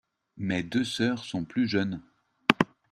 Mes deux sœurs sont plus jeunes.